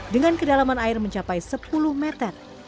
dengan kedalaman air mencapai sepuluh meter